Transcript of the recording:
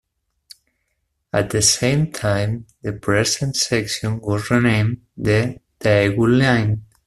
At the same time the present section was renamed the Daegu Line.